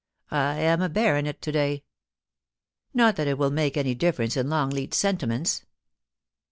I am a baronet to day. Not that it will make any difference in Lrongleat's sentiments.